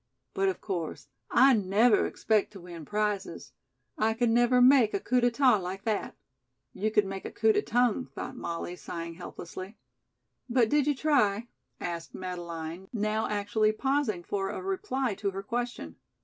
But, of course, I never expect to win prizes. I could never make a coup de tête like that." "You could make a coup de tongue," thought Molly, sighing helplessly. "But did you try?" asked Madeleine, now actually pausing for a reply to her question.